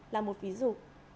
là một ví dụ